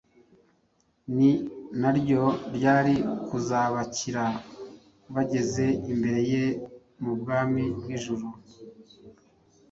ni naryo ryari kuzabakira bageze imbere ye mu Bwami bw’ijuru.